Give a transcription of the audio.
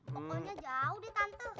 pokoknya jauh deh tante